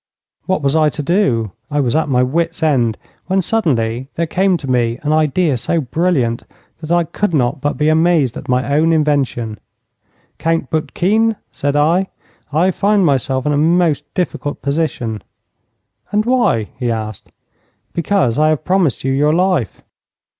What was I to do? I was at my wits' end, when suddenly there came to me an idea so brilliant that I could not but be amazed at my own invention. 'Count Boutkine,' said I, 'I find myself in a most difficult position.' 'And why?' he asked. 'Because I have promised you your life.'